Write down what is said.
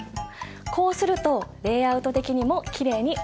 こうするとレイアウト的にもきれいに収まるし。